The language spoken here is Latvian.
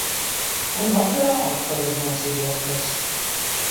Un vakarā atkal ir mācību vakars.